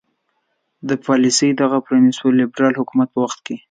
د پالیسۍ دغه پرنسیپونه د لیبرال حکومت په وخت کې.